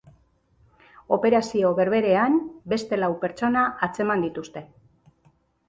Operazio berberean, beste lau pertsona atzeman dituzte.